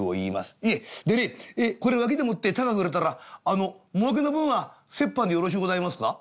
「いえでねこれ脇でもって高く売れたら儲けの分は折半でよろしゅうございますか？」。